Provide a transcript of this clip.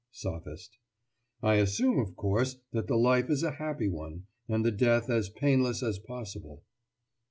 SOPHIST: I assume, of course, that the life is a happy one, and the death as painless as possible.